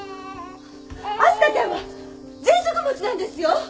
明日香ちゃんはぜんそく持ちなんですよ！